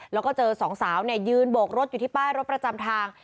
แล้วก็เจอสองสาวยืนโบกรถอยู่ที่ป้ายรถประจำทาง